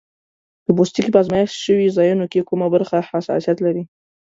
د پوستکي په آزمېښت شوي ځایونو کې کومه برخه حساسیت لري؟